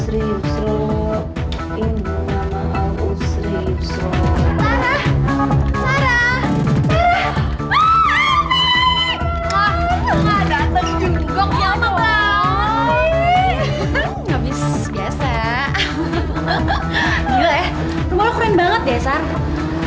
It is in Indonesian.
rumah lo keren banget ya sarah